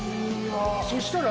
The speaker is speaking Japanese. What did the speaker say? そしたら。